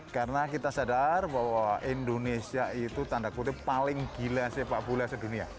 karena kita sadar bahwa indonesia itu tanda kutip paling gila sepak bola sedunia